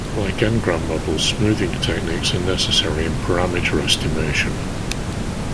Like N-gram models, smoothing techniques are necessary in parameter estimation.